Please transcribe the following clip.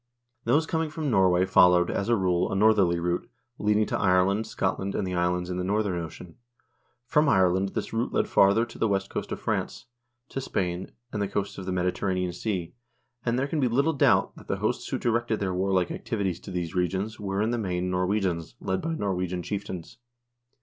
Those coming from Norway followed, as a rule, a northerly route, leading to Ireland, Scotland, and the islands in the northern ocean. From Ireland this route led farther to the west coast of France, to Spain, and the coasts of the Mediterranean Sea, and there can be little doubt that the hosts who directed their warlike activities to these regions were, in the main, Norwegians, led by Norwegian chieftains.